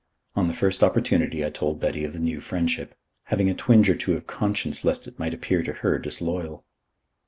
On the first opportunity I told Betty of the new friendship, having a twinge or two of conscience lest it might appear to her disloyal.